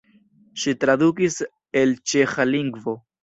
Ŝi tradukis el ĉeĥa lingvo.